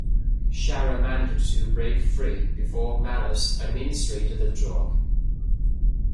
Sharon managed to break free before Malus administered the drug.